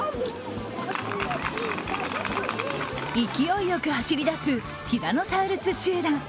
勢いよく走り出すティラノサウルス集団。